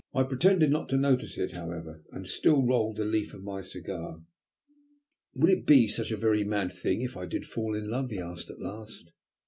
I pretended not to notice it, however, and still rolled the leaf of my cigar. "Would it be such a very mad thing if I did fall in love?" he asked at last.